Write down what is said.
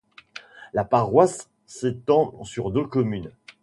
La paroisse s'étend sur deux communes.